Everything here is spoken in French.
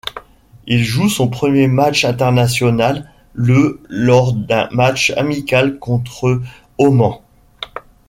Il joue son première match international le lors d'un match amical contre Oman.